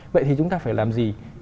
vậy thì chúng ta phải làm gì